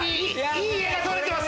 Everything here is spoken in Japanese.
いい画が撮れてます！